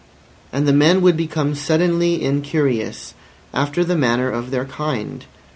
And the men would become suddenly incurious, after the manner of their kind.